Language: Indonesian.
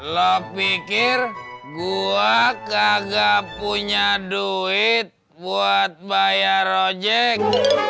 lo pikir gua gak punya duit buat bayar ojek